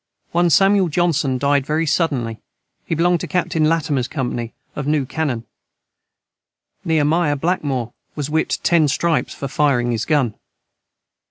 One Samuel Jonson died very suddenly he belonged to Captain Latimer Company of new Cannen, Nehemiah Blackmore was whipt 10 stripes for fireing his gun.